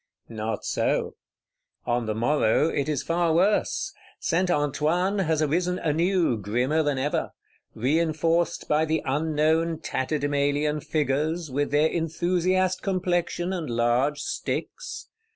Not so: on the morrow it is far worse. Saint Antoine has arisen anew, grimmer than ever;—reinforced by the unknown Tatterdemalion Figures, with their enthusiast complexion and large sticks.